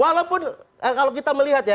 walaupun kalau kita melihat ya